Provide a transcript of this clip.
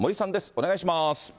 お願いします。